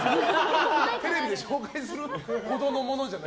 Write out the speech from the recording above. テレビで紹介するほどのものじゃない。